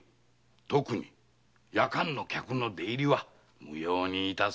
特に夜間の客の出入りは無用にいたせ。